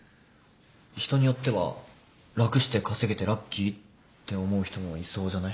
人によっては楽して稼げてラッキーって思う人もいそうじゃない？